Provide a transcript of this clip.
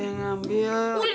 jangan lupa bu